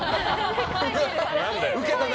ウケたな！